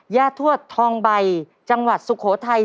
ทวดทองใบจังหวัดสุโขทัย